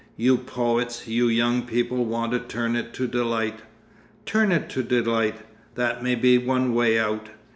You poets, you young people want to turn it to delight. Turn it to delight. That may be one way out.